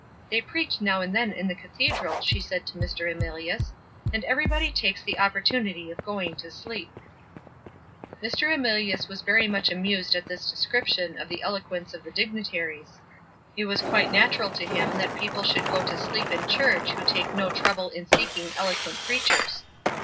"They preach now and then in the cathedral," she said to Mr. Emilius, "and everybody takes the opportunity of going to sleep." Mr. Emilius was very much amused at this description of the eloquence of the dignitaries. It was quite natural to him that people should go to sleep in church who take no trouble in seeking eloquent preachers.